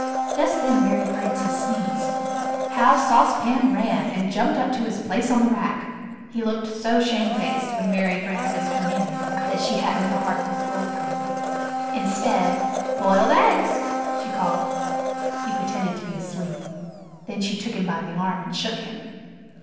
Just then Mary Frances sneezed. How Sauce Pan ran, and jumped up to his place on the rack! He looked so shamefaced when Mary Frances went in, that she hadn't the heart to scold him. Instead, "Boiled Eggs," she called. He pretended to be asleep. Then she took him by the arm and shook him.